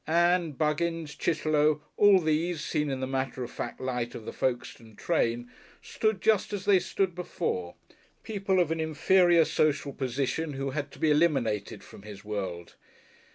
Ann, Buggins, Chitterlow, all these, seen in the matter of fact light of the Folkestone train, stood just as they stood before; people of an inferior social position who had to be eliminated from his world.